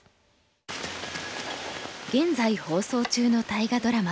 現在放送中の大河ドラマ